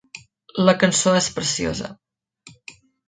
La cançó és preciosa.